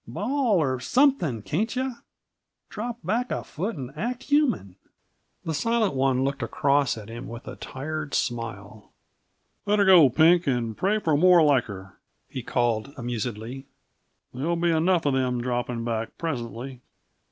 Bawl, or something, can't yuh? Drop back a foot and act human!" The Silent One looked across at him with a tired smile. "Let her go, Pink, and pray for more like her," he called amusedly. "There'll be enough of them dropping back presently."